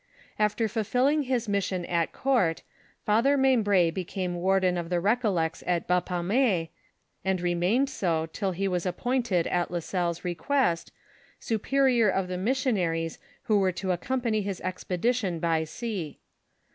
After fulfilling his mission at court, Father Membr6 became warden of the recollects at Bapaume, and remained so till he was appointed at La Salle's request, superior of the mission aries who were to accompany his expedition by sea.